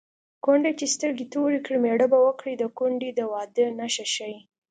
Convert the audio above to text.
کونډه چې سترګې تورې کړي مېړه به وکړي د کونډې د واده نښه ښيي